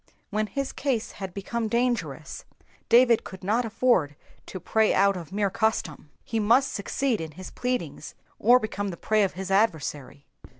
When his case had become dangerous, David could not afford to pray out of mere custom, he must succeed in his pleadings, or become the prey of his adversary.